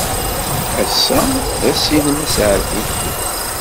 Ass-a d ass-nnem aseɛdi.